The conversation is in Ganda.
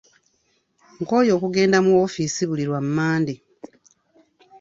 Nkooye okugenda mu woofiisi buli lwa Mande.